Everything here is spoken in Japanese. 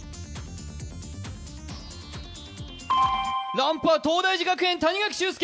ランプは東大寺学園、谷垣柊輔。